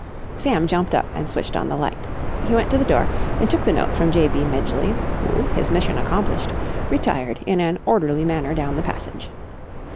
Sam jumped up and switched on the light. He went to the door and took the note from J. B. Midgeley, who, his mission accomplished, retired in an orderly manner down the passage.